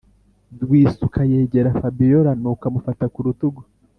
rwisuku yegera fabiora nuko amufata kurutugu